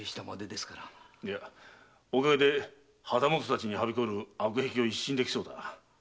いやお陰で旗本たちにはびこる悪癖を一新できそうだ。